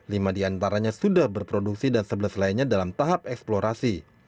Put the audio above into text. lima diantaranya sudah berproduksi dan sebelas lainnya dalam tahap eksplorasi